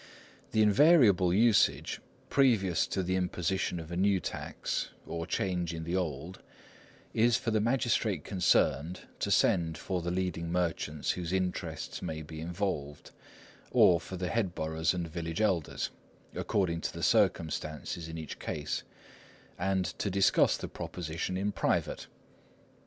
The invariable usage, previous to the imposition of a new tax, or change in the old, is for the magistrate concerned to send for the leading merchants whose interests may be involved, or for the headboroughs and village elders, according to the circumstances in each case, and to discuss the proposition in private.